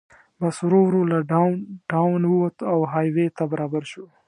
بس ورو ورو له ډاون ټاون ووت او های وې ته برابر شو.